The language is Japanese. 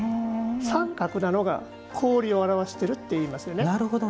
三角なのが、氷を表してるっていいますよね。